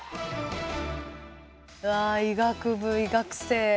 うわ医学部医学生。